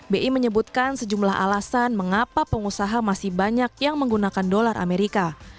bi menyebutkan sejumlah alasan mengapa pengusaha masih banyak yang menggunakan dolar amerika